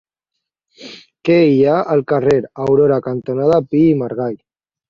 Què hi ha al carrer Aurora cantonada Pi i Margall?